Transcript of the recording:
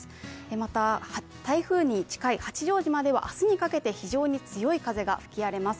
また、台風に近い八丈島では明日にかけて非常に強い風が吹き荒れます。